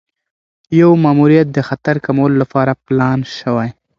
یو ماموریت د خطر کمولو لپاره پلان شوی.